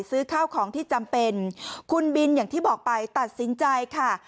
ซื้อข้าวของที่จำเป็นคุณบินอย่างที่บอกไปตัดสินใจค่ะ